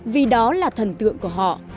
vì đó là thần tượng của họ